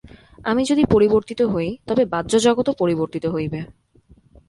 আমি যদি পরিবর্তিত হই, তবে বাহ্যজগৎও পরিবর্তিত হইবে।